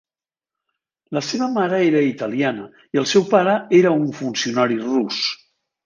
La seva mare era italiana, i el seu pare era un funcionari rus.